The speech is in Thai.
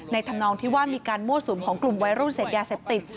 ทำนองที่ว่ามีการมั่วสุมของกลุ่มวัยรุ่นเสพยาเสพติด